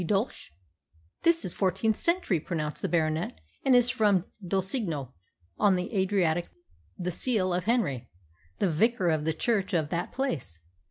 D' DOELSC'H + "This is fourteenth century," pronounced the Baronet, "and is from Dulcigno, on the Adriatic the seal of Henry, the vicar of the church of that place.